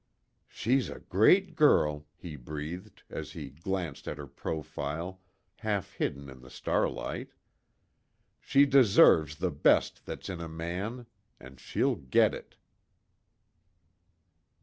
"She's a great girl," he breathed, as he glanced at her profile, half hidden in the starlight, "She deserves the best that's in a man and she'll get it!"